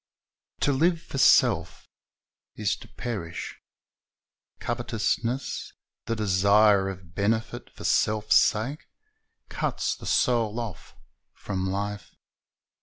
To live for self is to perish. Covetousness, the desire of benefit for self's sake, cuts the soul off from life.